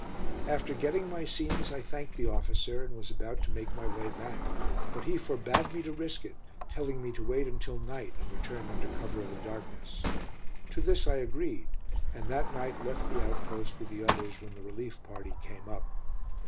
After getting my scenes, I thanked the officer, and was about to make my way back; but he forbade me to risk it, telling me to wait until night and return under cover of the darkness. To this I agreed, and that night left the outpost with the others when the relief party came up.